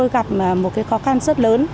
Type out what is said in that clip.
gặp một khó khăn rất lớn